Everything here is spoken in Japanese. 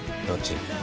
どっち？